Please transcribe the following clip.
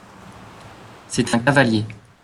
C’est un cavalier.